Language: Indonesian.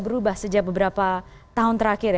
berubah sejak beberapa tahun terakhir